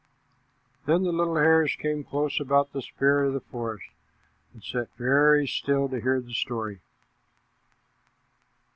Then the little hares came close about the spirit of the forest, and sat very still to hear the story.